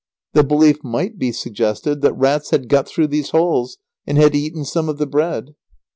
The belief might be suggested that rats had got through these holes and had eaten some of the bread."